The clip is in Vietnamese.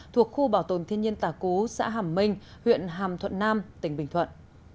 thuộc khu bảo tồn thiên nhiên tà cú xã hàm minh huyện hàm thuận nam tỉnh bình thuận